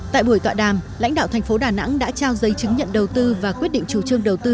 tại buổi tọa đàm lãnh đạo tp đà nẵng đã trao dây chứng nhận đầu tư và quyết định chủ trương đầu tư